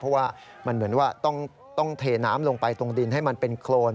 เพราะว่ามันเหมือนว่าต้องเทน้ำลงไปตรงดินให้มันเป็นโครน